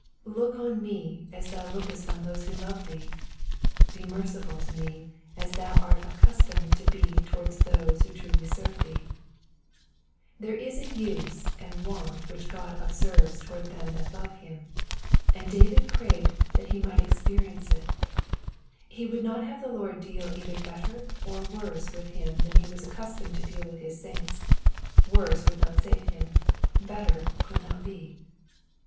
'''' Look on me as thou lookest on those who love thee ; be merciful to me as thou art accustomed to be towards those who truly serve thee. There is a use and wont which God observes towards them that love him, and David craved that he mi^ht experience it. He would not have the Lord deal either better or worse with him than he was accustomed to deal with his saints — worse would not save him, better could not be.